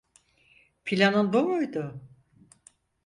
Planın bu muydu?